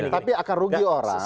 tapi akan rugi orang